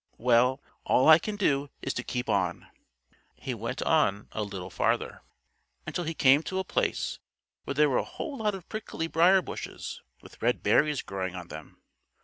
Well, all I can do is to keep on." He went on a little farther, until he came to a place where there were a whole lot of prickly briar bushes, with red berries growing on them.